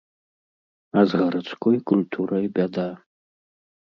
А з гарадской культурай бяда.